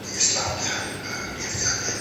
د خلګو په کلتور کي باید مثبت تغیرات راوستل سي.